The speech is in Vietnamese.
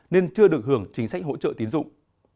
nên chưa được hưởng chính sách hỗ trợ tiến dụng